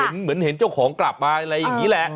เหมือนเห็นเจ้าของกลับมาอะไรอย่างนี้แหละ